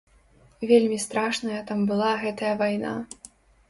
Вельмі страшная там была гэтая вайна.